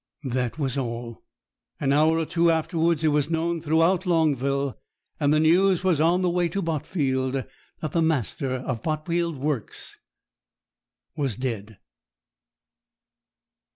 That was all. An hour or two afterwards it was known throughout Longville, and the news was on the way to Botfield, that the master of Botfield works was dead.